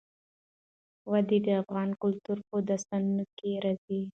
وادي د افغان کلتور په داستانونو کې راځي.